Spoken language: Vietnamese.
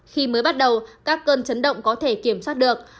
khi mới bắt đầu các cơn chấn động có thể kiểm soát được